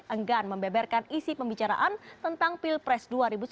enggan membeberkan isi pembicaraan tentang pilpres dua ribu sembilan belas